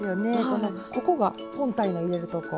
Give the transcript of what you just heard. ここが本体の入れるとこ。